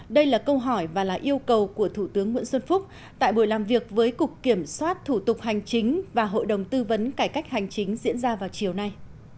đây là câu hỏi và là yêu cầu của thủ tướng nguyễn xuân phúc tại buổi làm việc với cục kiểm soát thủ tục hành chính và hội đồng tư vấn cải cách hành chính diễn ra vào chiều nay